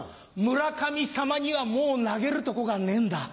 村上様にはもう投げるとこがねえんだ。